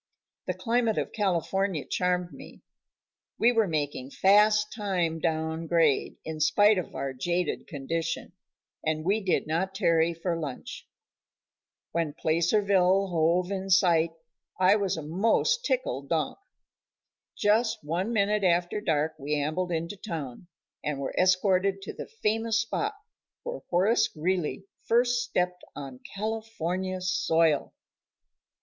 The climate of California charmed me. We were making fast time down grade, in spite of our jaded condition, and we did not tarry for lunch. When Placerville hove in sight I was a most tickled donk. Just one minute after dark we ambled into town, and were escorted to the famous spot where Horace Greeley first stepped on California soil.